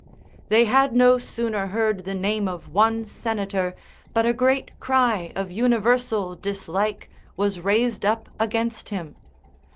They had no sooner heard the name of one senator but a great cry of universal dislike was raised up against him.